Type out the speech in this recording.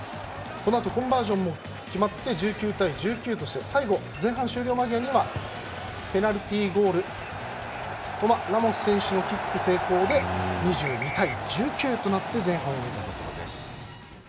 このあとコンバージョンも決まって１９対１９として最後、前半終了間際にペナルティーゴールトマ・ラモス選手のキック成功で２５対１９となって前半を終えたということです。